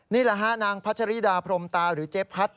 นี่แหละฮะนางพัชริดาพรมตาหรือเจ๊พัด